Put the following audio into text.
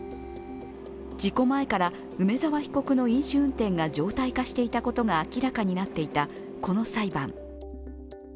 事故前から、梅沢被告の飲酒運転が常態化していたことが明らかになっていた、この裁判。